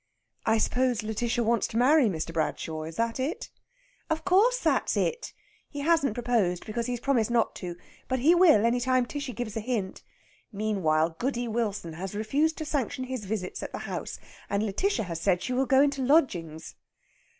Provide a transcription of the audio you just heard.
"I suppose Lætitia wants to marry Mr. Bradshaw. Is that it?" "Of course that's it! He hasn't proposed, because he's promised not to; but he will any time Tishy gives a hint. Meanwhile Goody Wilson has refused to sanction his visits at the house, and Lætitia has said she will go into lodgings."